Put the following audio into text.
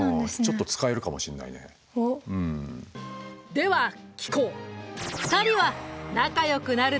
では聞こう。